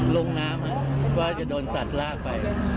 ร่องน้ำค่ะก็จะโดนสัดลากไป